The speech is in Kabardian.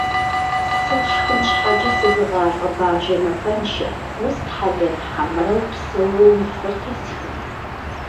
Сэ шхын щхьэкӀэ сызыгъалӀэ Бажэ напэншэ, устхьэлэн хьэмэрэ упсэууэ уи фэр тесхын?!